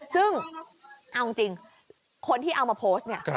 ซึ่งเอาจริงคนที่เอามาโพสต์เนี่ย